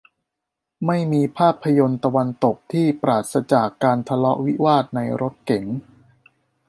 ไม่มีภาพยนตร์ตะวันตกที่ปราศจากการทะเลาะวิวาทในรถเก๋ง